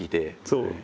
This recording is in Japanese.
そう。